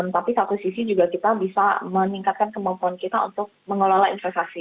tapi satu sisi juga kita bisa meningkatkan kemampuan kita untuk mengelola investasi